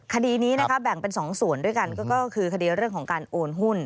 คดีนี้นะคะแบ่งเป็น๒ส่วนด้วยกันก็คือคดีเรื่องของการโอนหุ้น